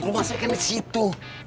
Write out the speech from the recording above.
lu masih ada di situ